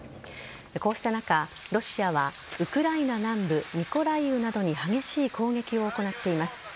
こうした中、ロシアはウクライナ南部ミコライウなどに激しい攻撃を行っています。